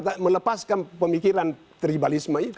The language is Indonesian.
kita harus melepaskan pemikiran tribalisme itu